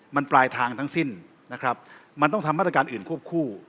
มันปลายทางทั้งสิ้นนะครับมันต้องทำมาตรการอื่นควบคู่